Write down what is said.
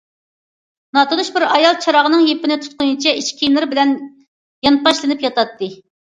ناتونۇش بىر ئايال چىراغنىڭ يىپىنى تۇتقىنىچە ئىچ كىيىملىرى بىلەن يانپاشلىنىپ ياتاتتى.